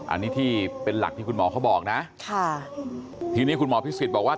อันนี้ที่เป็นหลักที่คุณหมอเขาบอกนะค่ะทีนี้คุณหมอพิสิทธิ์บอกว่า